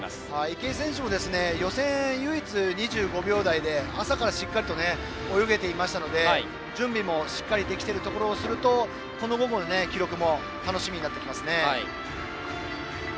池江選手も予選、唯一２５秒台で朝からしっかり泳げていましたので準備もしっかりできているとすると午後も記録が楽しみになってきますね。